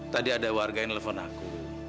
tadi ada warga yang nelfon aku